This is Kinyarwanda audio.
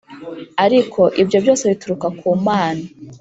Ariko ibyo byose bituruka ku Mana,